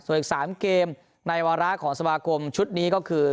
ส่วนอีก๓เกมในวาระของสมาคมชุดนี้ก็คือ